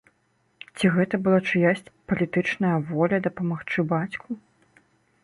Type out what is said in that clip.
Ці гэта была чыясьці палітычная воля дапамагчы бацьку?